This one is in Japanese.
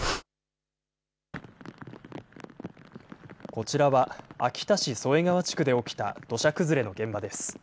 こちらは秋田市添川地区で起きた土砂崩れの現場です。